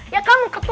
kau bisa ngevote aku